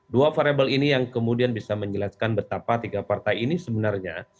dua variable ini yang kemudian bisa menjelaskan betapa tiga partai ini sebenarnya